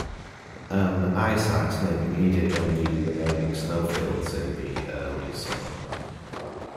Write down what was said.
An ice-axe may be needed on the remaining snowfields in the early summer.